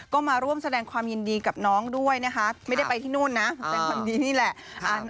ก็มาร่วมแสดงความยินดีกับน้องด้วยนะคะไม่ได้ไปที่นู่นนะแสดงความดีนี่แหละ